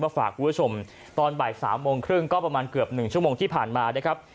ฝากคุณผู้ชมตอนบ่าย๓โมงครึ่งก็ประมาณเกือบ๑ชั่วโมงที่ผ่านมานะครับ